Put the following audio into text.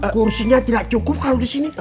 kursinya tidak cukup kalo disini